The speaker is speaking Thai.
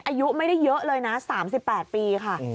อายุไม่ได้เยอะเลยนะ๓๘ปีค่ะ